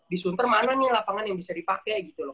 disunter mana nih lapangan yang bisa dipake gitu loh